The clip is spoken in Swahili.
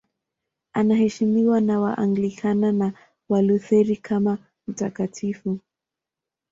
Anaheshimiwa na Waanglikana na Walutheri kama mtakatifu.